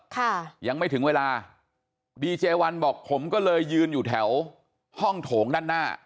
ค่ะยังไม่ถึงเวลาดีเจวันบอกผมก็เลยยืนอยู่แถวห้องโถงด้านหน้า